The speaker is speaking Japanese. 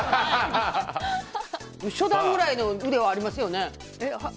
初段ぐらいの腕はありますよね。